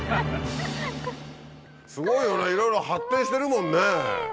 すごいよねいろいろ発展してるもんね。